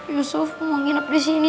yusuf mau nginep disini